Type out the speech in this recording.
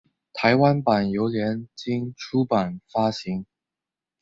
台湾版由联经出版发行。